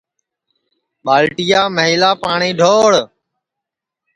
ٻالٹیا میلا پاٹؔی ڈھوڑ